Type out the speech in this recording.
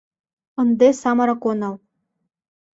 Ынде самырык онал.